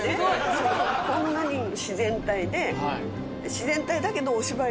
こんなに自然体で。